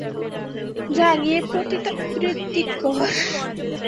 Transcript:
যা গিয়ে পতিতাবৃত্তি কর!